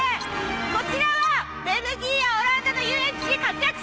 こちらはベルギーやオランダの遊園地で活躍しました。